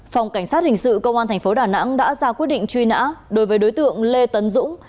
phòng cảnh sát hình sự công an tp đà nẵng đã ra quyết định truy nã đối với đối tượng lê tấn dũng